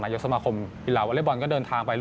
นายศมาคมธุระวัลย์บอลก็เดินทางไป